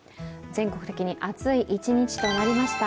全国的に暑い一日となりました。